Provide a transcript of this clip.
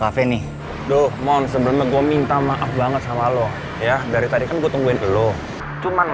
oke saya rasa meeting hari ini cukup